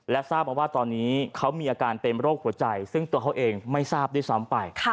ทราบมาว่าตอนนี้เขามีอาการเป็นโรคหัวใจซึ่งตัวเขาเองไม่ทราบด้วยซ้ำไป